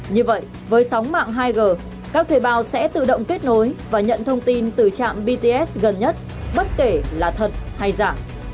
như vậy với sóng mạng hai g các thuê bao sẽ tự động kết nối và nhận thông tin từ trạm bts gần nhất bất kể là thật hay giả